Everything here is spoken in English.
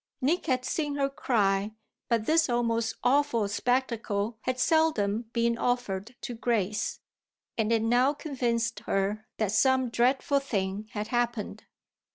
Nick had seen her cry, but this almost awful spectacle had seldom been offered to Grace, and it now convinced her that some dreadful thing had happened.